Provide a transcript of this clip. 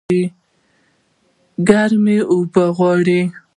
ګرمي اوبه غواړي